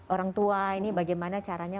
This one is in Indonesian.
orang tua ini bagaimana caranya